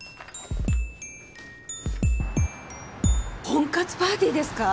婚活パーティーですか？